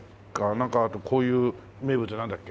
なんかこういう名物なんだっけ？